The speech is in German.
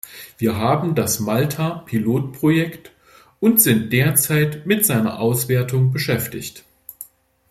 Wir haben das Malta-Pilotprojekt und sind derzeit mit seiner Auswertung beschäftigt.